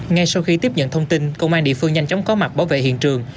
ngay sau khi tiếp nhận thông tin công an địa phương nhanh chóng có mặt bảo vệ hiện trường